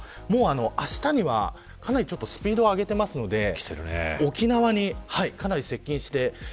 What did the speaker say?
あしたにはかなりスピードを上げているので沖縄にかなり接近して。